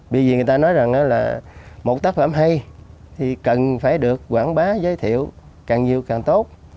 bởi vì người ta nói rằng là một tác phẩm hay thì cần phải được quảng bá giới thiệu càng nhiều càng tốt